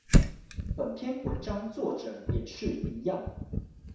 本篇文章作者也是一樣